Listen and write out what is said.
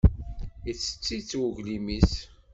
Ittett-it uglim-is.